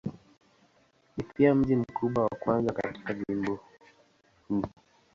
Ni pia mji mkubwa wa kwanza katika jimbo huu.